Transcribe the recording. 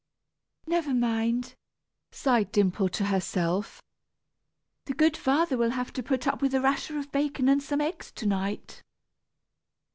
"Never mind," sighed Dimple to herself. "The good father will have to put up with a rasher of bacon and some eggs, to night."